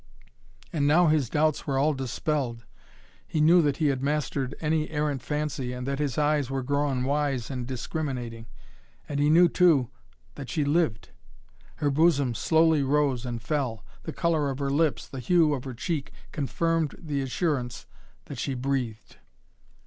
And now his doubts were all dispelled. He knew that he had mastered any errant fancy, and that his eyes were grown wise and discriminating, and he knew, too, that she lived! Her bosom slowly rose and fell; the color of her lips, the hue of her cheek, confirmed the assurance that she breathed!